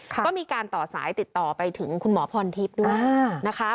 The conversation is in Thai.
ก็มีการต่อสายติดต่อไปถึงคุณหมอพรทิพย์ด้วยนะคะ